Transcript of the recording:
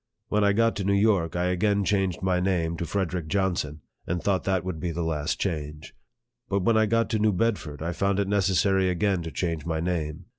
When I got to New York, I again changed my name to " Frederick Johnson," and thought that would be the last change. But when I got to New Bedford, I found it necessary again to change my name.